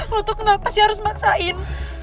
lo tuh kenapa sih harus maksain